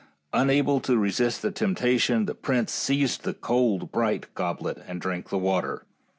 Unable to resist the temptation, the prince seized the cold, bright goblet, and drank the water.